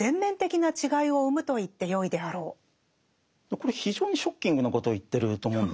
これ非常にショッキングなことを言ってると思うんですね。